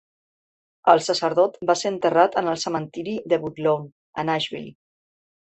El sacerdot va ser enterrat en el cementiri de Woodlawn, a Nashville.